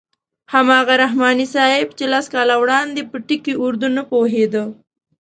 هماغه رحماني صاحب چې لس کاله وړاندې په ټکي اردو نه پوهېده.